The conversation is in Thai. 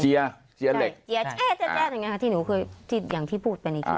เจียเจี๊ยเหล็กอย่างที่พูดอ่า